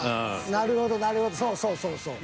なるほどなるほどそうそうそうそう。